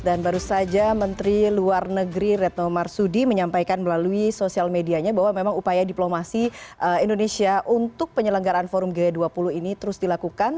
dan baru saja menteri luar negeri retno marsudi menyampaikan melalui sosial medianya bahwa memang upaya diplomasi indonesia untuk penyelenggaraan forum g dua puluh ini terus dilakukan